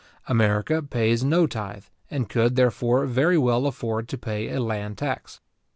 America pays no tythe, and could, therefore, very well afford to pay a land tax.